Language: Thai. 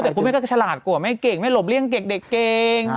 แต่คุณแม่ก็ฉลาดกว่าไม่เก่งไม่หลบเลี่ยงเด็กเก่ง